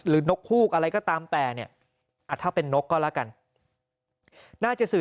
นกฮูกอะไรก็ตามแต่เนี่ยถ้าเป็นนกก็แล้วกันน่าจะสื่อ